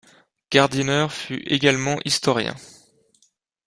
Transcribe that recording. Gardiner fut également historien.